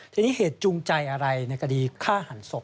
ทีนี้เหตุจูงใจอะไรในคดีฆ่าหันศพ